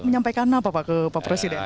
menyampaikan apa pak presiden